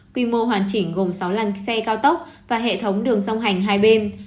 quy mô hoàn chỉnh gồm sáu lăn xe cao tốc và hệ thống đường sông hành hai bên